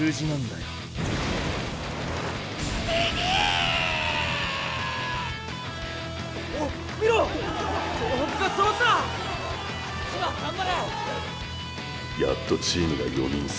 やっとチームが４人揃った。